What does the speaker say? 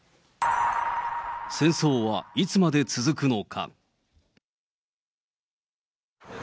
戦争はいつまで続くのか？